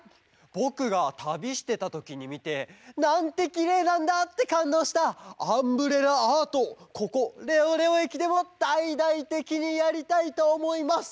ぼくがたびしてたときにみて「なんてきれいなんだ！」ってかんどうした「アンブレラアート」をここレオレオえきでもだいだいてきにやりたいとおもいます！